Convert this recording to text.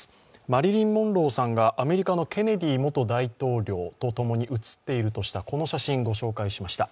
マリリン・モンローさんがアメリカのケネディ元大統領と共に写っているとしたこの写真、ご紹介しました。